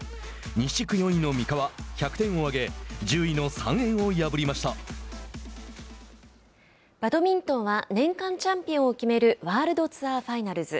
西地区４位の三河１００点を挙げバドミントンは年間チャンピオンを決めるワールドツアーファイナルズ。